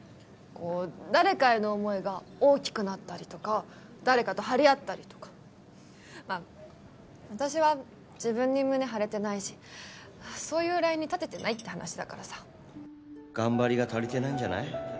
こう誰かへの思いが大きくなったりとか誰かと張り合ったりとかまあ私は自分に胸張れてないしそういうラインに立ててないって話だからさ・頑張りが足りてないんじゃない？